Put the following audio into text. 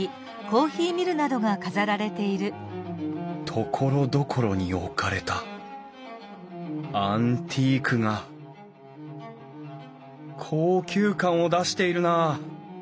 ところどころに置かれたアンティークが高級感を出しているなあ。